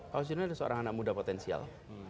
agus yudhoyono adalah seorang anak muda potensial